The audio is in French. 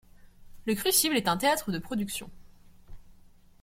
Le Crucible est un théâtre de productions.